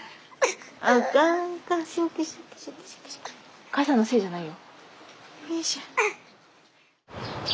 お母さんのせいじゃないよ。